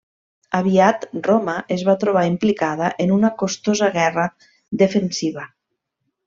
Aviat Roma es va trobar implicada en una costosa guerra defensiva.